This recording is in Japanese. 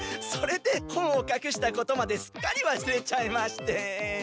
それで本をかくしたことまですっかりわすれちゃいまして。